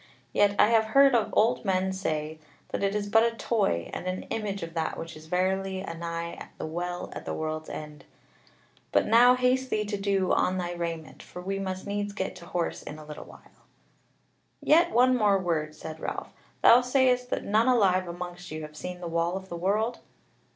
Yet I have heard old men say that it is but a toy, and an image of that which is verily anigh the Well at the World's End. But now haste thee to do on thy raiment, for we must needs get to horse in a little while." "Yet one more word," said Ralph; "thou sayest that none alive amongst you have seen the Wall of the World?"